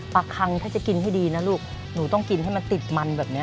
คังถ้าจะกินให้ดีนะลูกหนูต้องกินให้มันติดมันแบบนี้